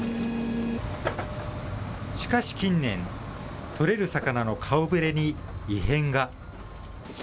しかし近年、取れる魚の顔ぶれに異変が。